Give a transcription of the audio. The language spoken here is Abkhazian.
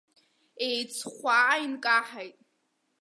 Еиҵхәаа инкаҳаит.